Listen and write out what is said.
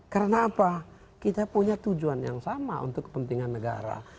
karena apa kita punya tujuan yang sama untuk kepentingan negara